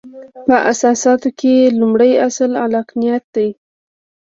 په اساساتو کې یې لومړۍ اصل عقلانیت دی.